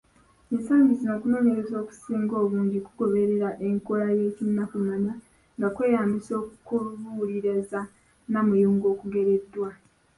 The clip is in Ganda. Ensangi zino, okunoonyereza okusinga obungi kugobererea enkola y’ekinnakumanya nga kweyambisa okubuuliriza namuyungo okugereddwa.